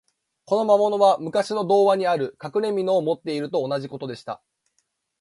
この魔物は、むかしの童話にある、かくれみのを持っているのと同じことでした。